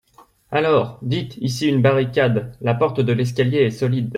Alors, vite ici une barricade ! La porte de l'escalier est solide.